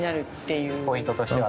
ポイントとしては。